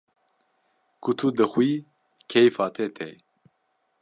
Ku tu dixwî keyfa te tê